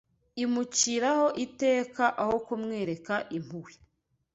imuciraho iteka aho kumwereka impuhwe